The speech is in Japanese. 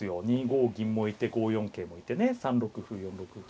２五銀もいて５四桂もいてね３六歩４六歩。